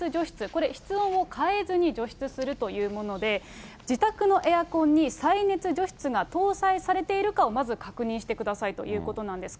これ室温を変えずに除湿するというもので、自宅のエアコンに再熱除湿が搭載されているかをまず、確認してくださいということなんです。